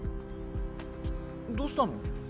どうしたの？